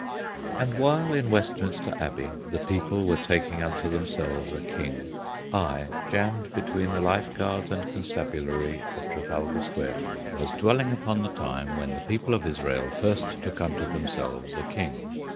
And while in Westminster Abbey the people were taking unto themselves a king, I, jammed between the Life Guards and Constabulary of Trafalgar Square, was dwelling upon the time when the people of Israel first took unto themselves a king.